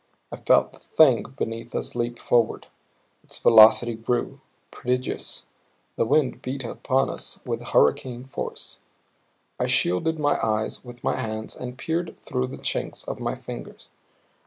I felt the Thing beneath us leap forward; its velocity grew prodigious; the wind beat upon us with hurricane force. I shielded my eyes with my hands and peered through the chinks of my fingers.